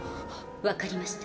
分かりました。